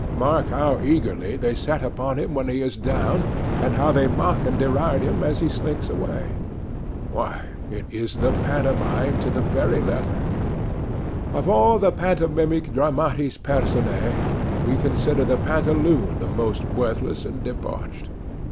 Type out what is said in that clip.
Mark how eagerly they set upon him when he is down; and how they mock and deride him as he slinks away. Why, it is the pantomime to the very letter. Of all the pantomimic dramatis personæ, we consider the pantaloon the most worthless and debauched.